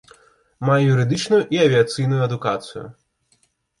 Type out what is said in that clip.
Мае юрыдычную і авіяцыйную адукацыю.